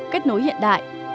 kết nối hiện đại